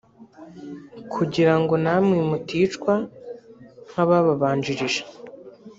kugirango namwe muticwa nk’ababanjirije